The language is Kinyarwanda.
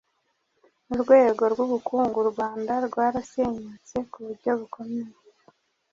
Mu rwego rw’ubukungu u Rwanda rwarasenyutse ku buryo bukomeye,